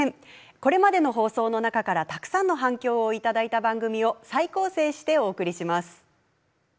これまでの放送の中からたくさんの反響を頂いた番組を再構成してお送りします。